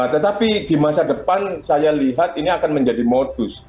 tetapi di masa depan saya lihat ini akan menjadi modus